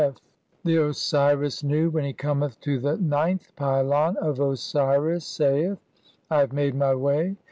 (56) The Osiris Nu, when he cometh to the fourteenth pylon of Osiris, saith :— "I have made [my] way.